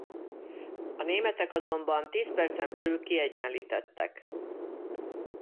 A németek azonban tíz percen belül kiegyenlítettek.